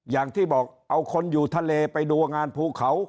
อย่างที่บอกเอาคนอยู่ทะเลไปดูงานภูเขา